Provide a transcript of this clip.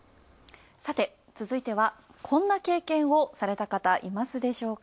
続いては、こんな経験をされた方いますでしょうか？